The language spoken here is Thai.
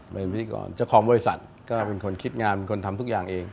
เป็นพิธีกรเจ้าของบริษัทก็เป็นคนคิดงานเป็นคนทำทุกอย่างเอง